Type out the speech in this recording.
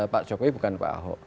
pak jokowi bukan pak ahok